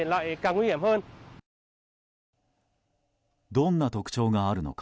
どんな特徴があるのか。